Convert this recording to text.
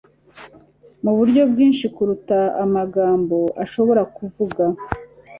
muburyo bwinshi kuruta amagambo ashobora kuvuga